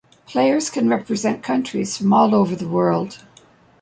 Players can represent countries from all over the world.